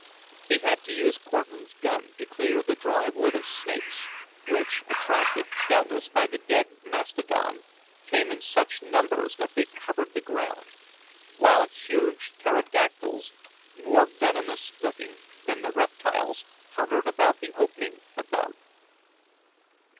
He had to use Cortlandt's gun to clear the dry wood of snakes, which, attracted doubtless by the dead mastodon, came in such numbers that they covered the ground, while huge pterodactyls, more venomous looking than the reptiles, hovered about the opening above.